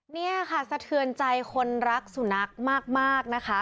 นี่ค่ะสะเทือนใจคนรักสุนัขมากนะคะ